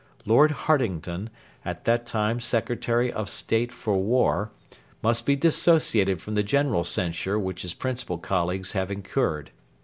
Lord Hartington, at that time Secretary of State for War, must be dissociated from the general censure which his principal colleagues have incurred.